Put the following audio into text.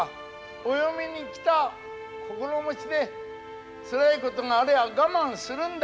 お嫁に来た心持ちでつらいことがありゃ我慢するんだ。